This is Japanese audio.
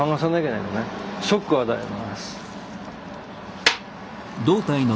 ショックを与えます。